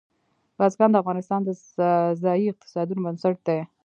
بزګان د افغانستان د ځایي اقتصادونو بنسټ دی.